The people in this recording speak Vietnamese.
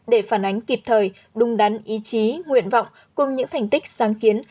để phản ánh kịp thời đúng đắn ý chí nguyện vọng cùng những thành tích sáng kiến